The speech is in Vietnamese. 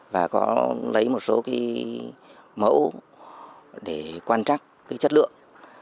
và có lấy một số mẫu để quan trắc chất lượng